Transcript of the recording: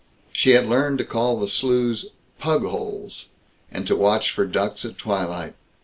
She had learned to call the slews "pugholes," and to watch for ducks at twilight.